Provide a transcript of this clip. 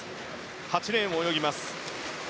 ８レーンを泳ぎます。